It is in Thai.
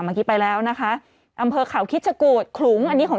เมื่อกี้ไปแล้วนะคะอำเภอเขาคิดชะกูดขลุงอันนี้ของ